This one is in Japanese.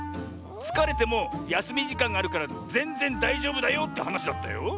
つかれてもやすみじかんがあるからぜんぜんだいじょうぶだよってはなしだったよ。